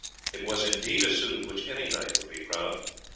It was indeed a suit of which any knight might be proud.